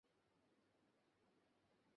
কথা ছিল, আমার স্ত্রীকেও সঙ্গে আনিব।